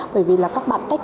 bởi vì là các bạn tech ý